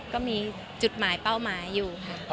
ก็มีจุดหมายเป้าหมายอยู่ค่ะ